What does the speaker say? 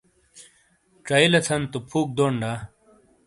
چَئیلے تھن تو فُوک دون دا؟